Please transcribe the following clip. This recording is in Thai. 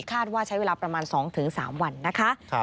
ว่าใช้เวลาประมาณ๒๓วันนะคะ